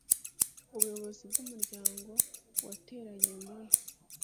ubuyobozi bw umuryango bwateranye uyumunsi